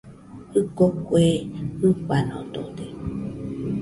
Jɨko kue jɨfanodode